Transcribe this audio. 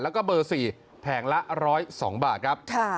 แล้วก็เบอร์๔แผงละ๑๐๒บาทครับ